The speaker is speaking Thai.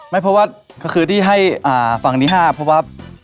ไม่เพราะว่าก็คือที่ให้ฝั่งที่๕เพราะว่า